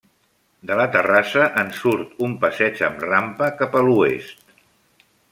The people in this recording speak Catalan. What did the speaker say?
De la terrassa en surt un passeig amb rampa cap a l'oest.